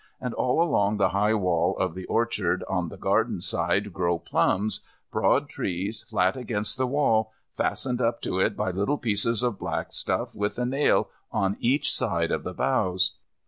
And all along the high wall of the orchard on the garden side grow plums, broad trees flat against the wall fastened up to it by little pieces of black stuff with a nail on each side of the boughs.